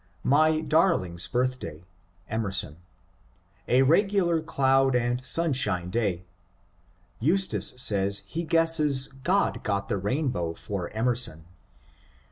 My darling's birthday (Emerson), — a regular cloud and sunshine day. Eustace says he guesses God got the rainbow for Emerson."